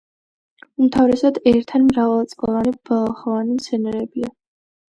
უმთავრესად ერთ ან მრავალწლოვანი ბალახოვანი მცენარეებია.